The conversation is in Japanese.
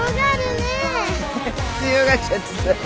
強がっちゃってさ。